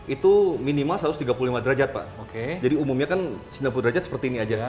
itu minimal satu ratus tiga puluh lima derajat pak jadi umumnya kan sembilan puluh derajat seperti ini aja